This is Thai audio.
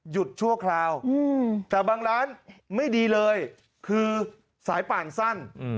ชั่วคราวแต่บางร้านไม่ดีเลยคือสายป่านสั้น